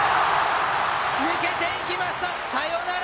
抜けていきました、サヨナラ！